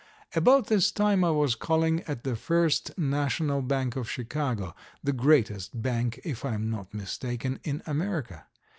About this time I was calling at the First National Bank of Chicago, the greatest bank, if I am not mistaken, in America.